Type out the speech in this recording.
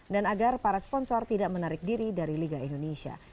dan agar para sponsor tidak menarik diri dari liga indonesia